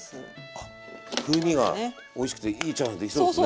あっ風味がおいしくていいチャーハンができそうですね。